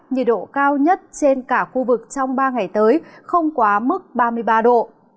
nhiệt độ cao nhất trên cả khu vực trong ba ngày tới không quá mức ba mươi ba độ